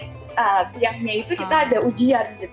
siangnya itu kita ada ujian gitu